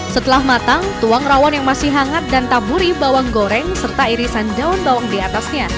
setelah matang tuang rawon yang masih hangat dan taburi bawang goreng serta irisan daun bawang di atasnya